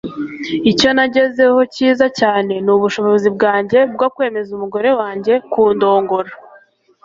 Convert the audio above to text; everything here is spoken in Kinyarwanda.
Icyo nagezeho cyiza cyane ni ubushobozi bwanjye bwo kwemeza umugore wanjye kundongora.”